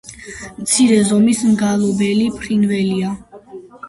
მცირე ზომის მგალობელი ფრინველია.